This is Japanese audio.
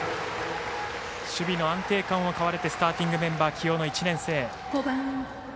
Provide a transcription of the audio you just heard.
守備の安定感を買われてスターティングメンバー起用の１年生。